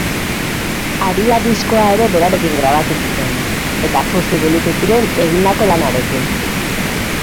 Haria diskoa ere berarekin grabatu zuten, eta pozik gelditu ziren egindako lanarekin.